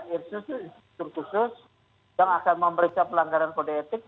irsus itu insur khusus yang akan memeriksa pelanggaran kode etik